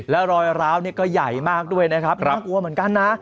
แล้วรอยร้าวนี่ก็ใหญ่มากด้วยนะครับน่ากลัวเหมือนกันนะ